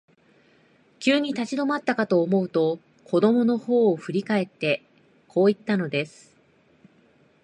急に立ち止まったかと思うと、子供のほうを振り返って、こう言ったのです。